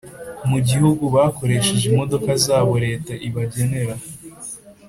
mu gihugu bakoresheje imodoka zabo Leta ibagenera